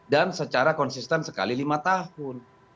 dan secara konsisten sekali lima tahun